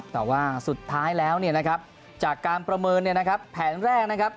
แต่ว่าสุดท้ายแล้วจากการประเมินแผนแรก